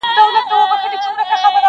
o زه دي وینمه لا هغسي نادان یې,